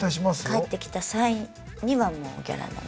帰ってきた際にはもうギャラ飲みで。